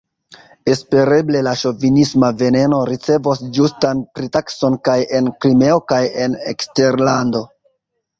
Espereble la ŝovinisma veneno ricevos ĝustan pritakson kaj en Krimeo kaj en eksterlando.